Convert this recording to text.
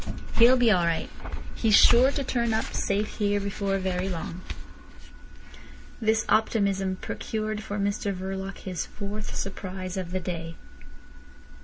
He'll be all right. He's sure to turn up safe here before very long." This optimism procured for Mr Verloc his fourth surprise of the day.